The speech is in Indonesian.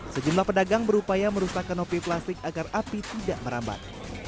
sejumlah pedagang berupaya merusakkan opi plastik agar api tidak merabat